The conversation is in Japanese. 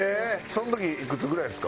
その時いくつぐらいですか？